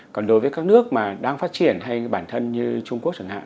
còn đối với các nước mà đang phát triển hay bản thân như trung quốc chẳng hạn